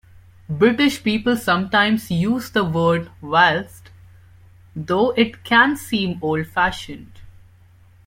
British people sometimes use the word whilst, though it can seem old fashioned